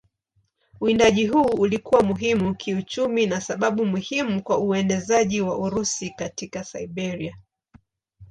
Uwindaji huu ulikuwa muhimu kiuchumi na sababu muhimu kwa uenezaji wa Urusi katika Siberia.